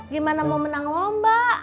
gimana mau menang lomba